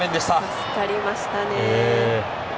助かりましたね。